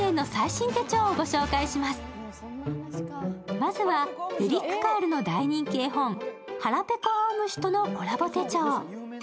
まずはエリック・カールの大人気絵本「はらぺこあおむし」とのコラボ手帳。